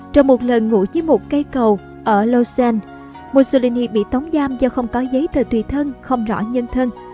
trong một lần ngủ với một cây cầu ở loshan mussolini bị tống giam do không có giấy tờ tùy thân không rõ nhân thân